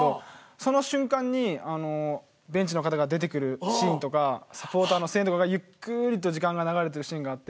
その瞬間にあのベンチの方が出てくるシーンとかサポーターの声援とかがゆっくりと時間が流れてるシーンがあって。